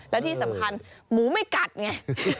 แล้วที่สำคัญหมูไม่กัดไง